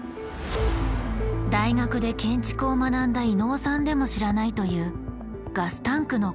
大学で建築を学んだ伊野尾さんでも知らないというガスタンクの構造。